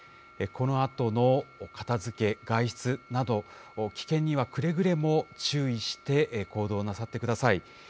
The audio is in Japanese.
このあとの片づけ、外出など、危険にはくれぐれも注意して行動なさってください。